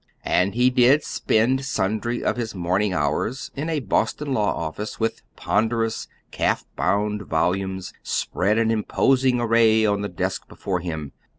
And he did spend sundry of his morning hours in a Boston law office with ponderous, calf bound volumes spread in imposing array on the desk before him.